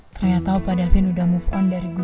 ternyata pak davin udah move on dari gue